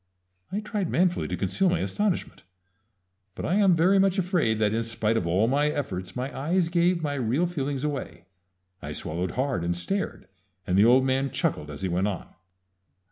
_" I tried manfully to conceal my astonishment; but I am very much afraid that in spite of all my efforts my eyes gave my real feelings away. I swallowed hard, and stared, and the old man chuckled as he went on.